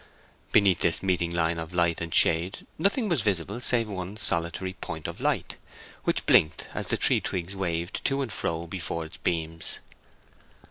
Beneath this meeting line of light and shade nothing was visible save one solitary point of light, which blinked as the tree twigs waved to and fro before its beams.